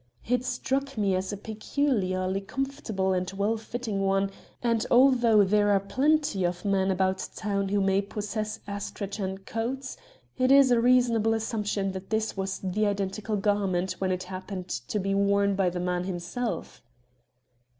It struck me as a peculiarly comfortable and well fitting one, and although there are plenty of men about town who may possess astrachan coats, it is a reasonable assumption that this was the identical garment when it happened to be worn by the man himself."